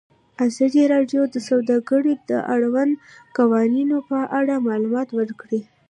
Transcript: ازادي راډیو د سوداګري د اړونده قوانینو په اړه معلومات ورکړي.